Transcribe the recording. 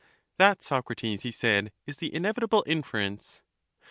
That, Socrates, he said, is the inevitable inference.